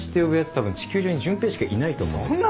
多分地球上に潤平しかいないと思うんだけど。